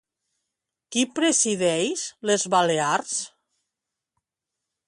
Qui presideix les Balears?